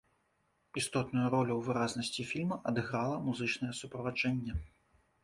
Істотную ролю ў выразнасці фільма адыграла музычнае суправаджэнне.